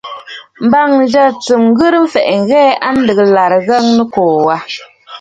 M̀bâŋnə̌ tsɨm ghɨrə mfɛ̀ʼɛ̀ ŋ̀hɛɛ a lɨ̀gə ɨlàrə Ŋgə̀ə̀ Nɨkòò wâ.